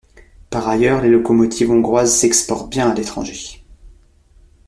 Par ailleurs, les locomotives hongroises s'exportent bien à l'étranger.